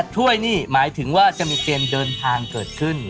ถ้วยนี่หมายถึงว่าจะมีเกณฑ์เดินทางเกิดขึ้น